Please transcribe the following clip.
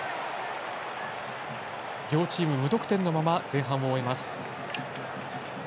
両チーム、無得点のまま前半を終えます。